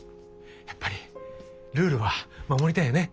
やっぱりルールは守りたいよね？